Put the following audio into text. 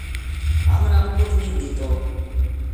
ہمنا کُجھ نیہہ دیتو